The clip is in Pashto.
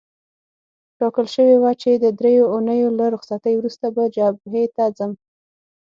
ټاکل شوې وه چې د دریو اونیو له رخصتۍ وروسته به جبهې ته ځم.